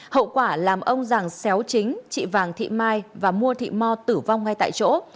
hậu quả làm ông giàng xéo chính chị vàng thị mai và mua thị mo tử vong ngay tại chỗ